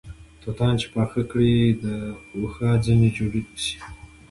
توتان چې پاخه کړې دوښا ځنې جوړه سې